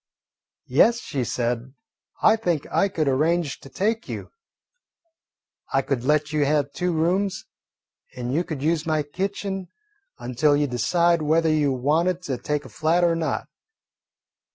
"Yes," she said, "I think I could arrange to take you. I could let you have two rooms, and you could use my kitchen until you decided whether you wanted to take a flat or not.